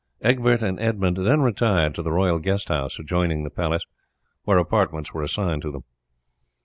Egbert and Edmund then retired to the royal guest house adjoining the palace, where apartments were assigned to them.